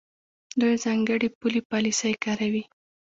دوی ځانګړې پولي پالیسۍ کاروي.